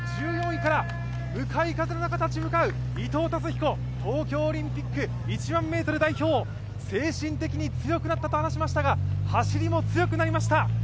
１４位から向かい風の中立ち向かう伊藤達彦、東京オリンピック１００００ｍ代表、精神的に強くなったと話しましたが、走りも強くなりました。